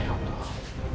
bukanlah ya allah